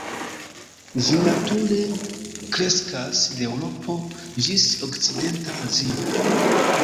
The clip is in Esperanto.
Ĝi nature kreskas de Eŭropo ĝis okcidenta Azio.